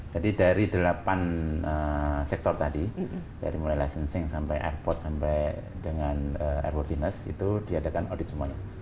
jadi dari delapan sektor tadi dari mulai licensing sampai airport sampai dengan airportiness itu diadakan audit semuanya